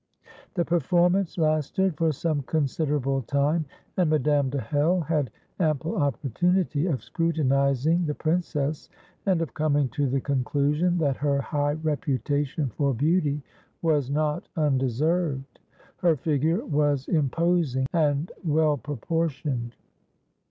The performance lasted for some considerable time, and Madame de Hell had ample opportunity of scrutinizing the princess, and of coming to the conclusion that her high reputation for beauty was not undeserved. Her figure was imposing and well proportioned.